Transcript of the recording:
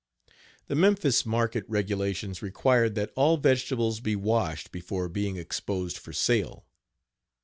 The Memphis market regulations required that all vegetables be washed before being exposed for sale.